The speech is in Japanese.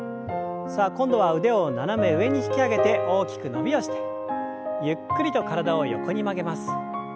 さあ今度は腕を斜め上に引き上げて大きく伸びをしてゆっくりと体を横に曲げます。